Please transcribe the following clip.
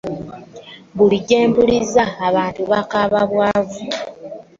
Buli gye mpuliza abantu bakaaba bwavu.